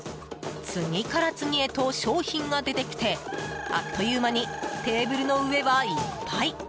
次から次へと商品が出てきてあっという間にテーブルの上はいっぱい。